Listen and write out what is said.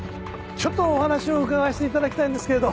ちょっとお話を伺わせて頂きたいんですけれど。